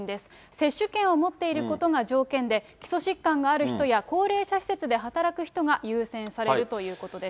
接種券を持っていることが条件で、基礎疾患がある人や高齢者施設で働く人が優先されるということです。